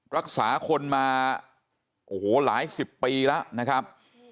รักษาคนมาโอ้โหหลายสิบปีแล้วนะครับ